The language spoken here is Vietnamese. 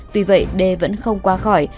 tuy vậy đê vẫn không qua khỏi